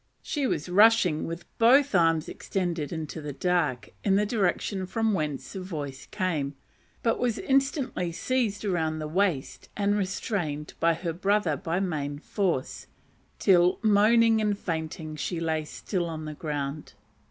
She was rushing, with both arms extended, into the dark, in the direction from whence the voice came; but was instantly seized round the waist and restrained by her brother by main force, till, moaning and fainting, she lay still on the ground.